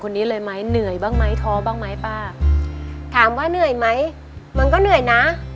คนนี้เลยไหมเหนื่อยบ้างไหมท้อบ้างไหมป้าถามว่าเหนื่อยไหมมันก็เหนื่อยนะ